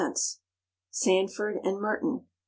Sandford and Merton.